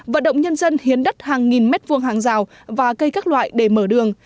vận động nhân dân hiến đất hàng nghìn mét vuông hàng rào và cây các loại để mở đường